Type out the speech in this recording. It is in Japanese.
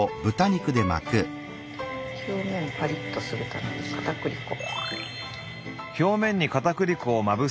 表面パリッとするためにかたくり粉。